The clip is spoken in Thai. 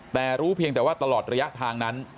แต่รู้เพียงแต่ว่าตลอดระยะทางนั้น